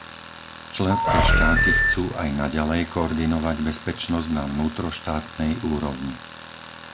Členské štáty chcú aj naďalej koordinovať bezpečnosť na vnútroštátnej úrovni.